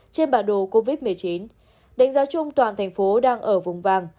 trên bản đồ covid một mươi chín đánh giá chung toàn tp hcm đang ở vùng vàng